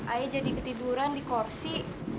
ayo jadi ketiduran di korsi